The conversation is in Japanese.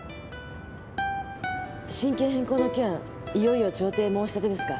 親権変更の件いよいよ調停申し立てですか？